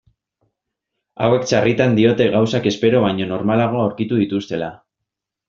Hauek sarritan diote gauzak espero baino normalago aurkitu dituztela.